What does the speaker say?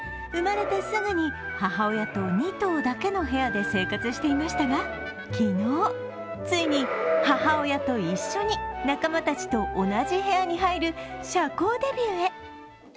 生まれてすぐに、母親と２頭だけの部屋で生活していましたが昨日、ついに、母親と一緒に仲間たちと同じ部屋に入る社交デビューへ。